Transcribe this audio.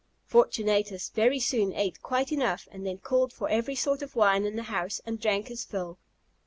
Fortunatus very soon ate quite enough, and then called for every sort of wine in the house, and drank his fill.